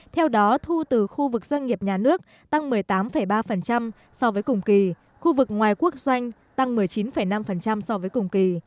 theo đó thu từ khu vực doanh nghiệp nhà nước tăng một mươi tám ba so với cùng kỳ khu vực ngoài quốc doanh tăng một mươi chín năm so với cùng kỳ